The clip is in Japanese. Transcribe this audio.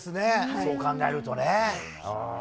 そう考えるとね。